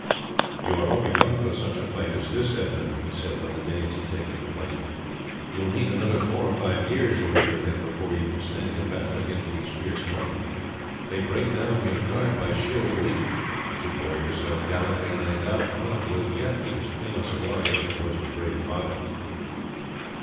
"You are over young for such a fight as this, Edmund," he said when the Danes had taken to flight. "You will need another four or five years over your head before you can stand in battle against these fierce Northmen. They break down your guard by sheer weight; but you bore yourself gallantly, and I doubt not will yet be as famous a warrior as was your brave father."